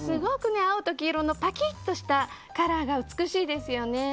青と黄色のぱきっとしたカラーが美しいですよね。